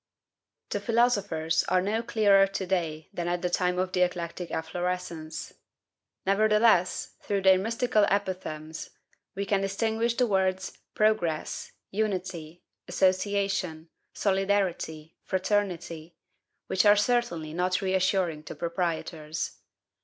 The philosophers are no clearer to day than at the time of the eclectic efflorescence; nevertheless, through their mystical apothegms, we can distinguish the words PROGRESS, UNITY, ASSOCIATION, SOLIDARITY, FRATERNITY, which are certainly not reassuring to proprietors.